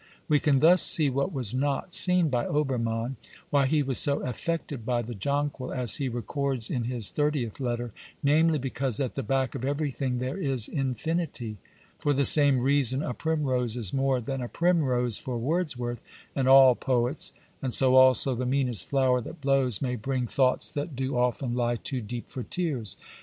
We can thus see what was not seen by Ohermann — why he was so affected by the jonquil, as he records in his thirtieth letter, namely, because at the back of everything there is infinity. For the same reason a primrose is more than a primrose for Wordsworth and all poets, and so also " the meanest flower that blows may bring thoughts that do often lie too deep for tears."